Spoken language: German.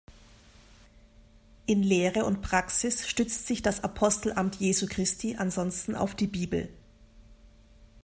In Lehre und Praxis stützt sich das Apostelamt Jesu Christi ansonsten auf die Bibel.